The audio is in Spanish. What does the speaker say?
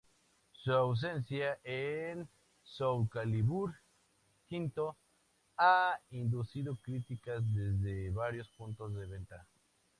Su ausencia en Soulcalibur V ha inducido críticas desde varios puntos de venta.